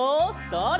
それ！